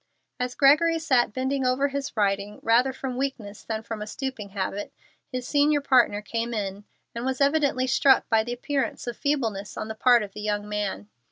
As Gregory sat bending over his writing, rather from weakness than from a stooping habit, his senior partner came in, and was evidently struck by the appearance of feebleness on the part of the young man.